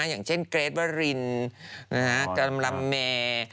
อย่างเช่นเกรทว่ารินนะฮะกำลังแม่